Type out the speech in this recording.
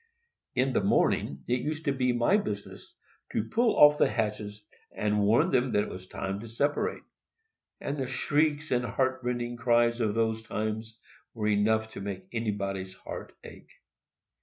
In the morning it used to be my business to pull off the hatches and warn them that it was time to separate; and the shrieks and heart rending cries at these times were enough to make anybody's heart ache.